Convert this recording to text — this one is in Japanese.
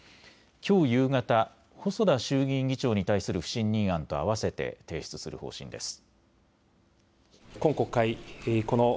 きょう夕方、細田衆議院議長に対する不信任案とあわせて提出する方針です。